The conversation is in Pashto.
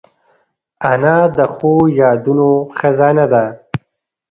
انا د ښو یادونو خزانه ده